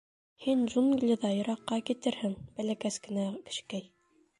— Һин джунглиҙа йыраҡҡа китерһең, бәләкәс генә кешекәй.